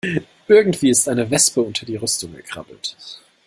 Irgendwie ist eine Wespe unter die Rüstung gekrabbelt.